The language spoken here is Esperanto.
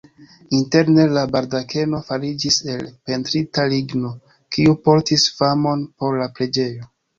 Interne la baldakeno fariĝis el pentrita ligno, kiu portis famon por la preĝejo.